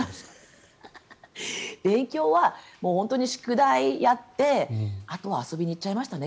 勉強は宿題をやってあとは遊びに行っちゃいましたね